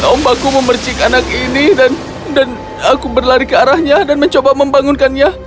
ombakku memercik anak ini dan aku berlari ke arahnya dan mencoba membangunkannya